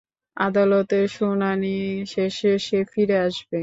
আদালতের শুনানি শেষে সে ফিরে আসবে।